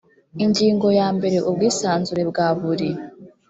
ingingo ya mbere ubwisanzure bwa buri